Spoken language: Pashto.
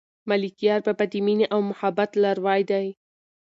ملکیار بابا د مینې او محبت لاروی دی.